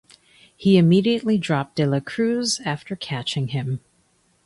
He immediately dropped de la Cruz after catching him.